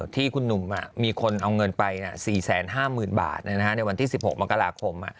ที่คุณหนุ่มมีคนเอาเงินไป๔๕๐๐๐บาทในวันที่๑๖มกราคม